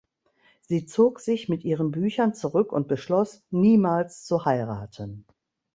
Sie zog sich mit ihren Büchern zurück und beschloss, niemals zu heiraten.